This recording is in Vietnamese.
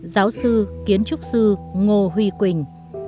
giáo sư kiến trúc sư ngô huy quỳnh